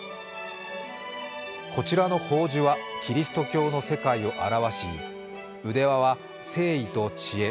こちらの宝珠はキリスト教の世界を表し、腕輪は誠意と知恵。